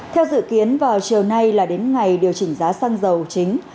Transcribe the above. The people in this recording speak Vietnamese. theo dự kiến vào chiều nay là đến ngày điều chỉnh giá xăng dầu chính